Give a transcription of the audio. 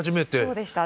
そうでした。